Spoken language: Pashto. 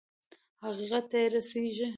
حقيقت ته يې رسېږي.